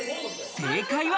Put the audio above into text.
正解は。